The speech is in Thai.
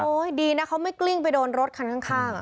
ดีนะเขาไม่กลิ้งไปโดนรถคันข้าง